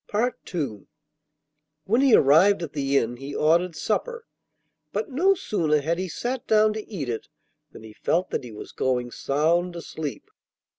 II When he arrived at the inn he ordered supper, but no sooner had he sat down to eat it than he felt that he was going sound asleep.